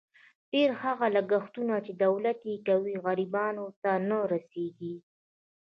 ډېر هغه لګښتونه، چې دولت یې کوي، غریبانو ته نه رسېږي.